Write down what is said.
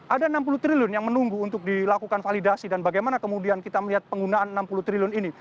ada enam puluh triliun yang menunggu untuk dilakukan validasi dan bagaimana kemudian kita melihat penggunaan enam puluh triliun ini